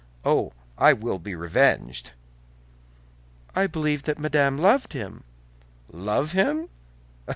Oh, I will be revenged!" "I believed that Madame loved him." "I love him?